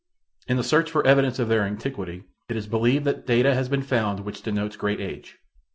In the search for evidence of their antiquity it is believed that data has been found which denotes great age.